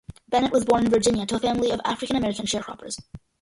Bennett was born in Virginia to a family of African-American sharecroppers.